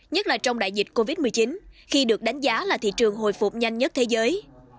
nhất là trong đại dịch covid một mươi chín khi được đánh giá là thị trường hồi phục nhanh nhất thế giới